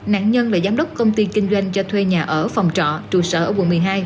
nạn nhân là giám đốc công ty kinh doanh cho thuê nhà ở phòng trọ trụ sở ở quận một mươi hai